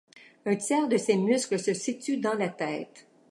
Un tiers de ses muscles se situe dans la tête.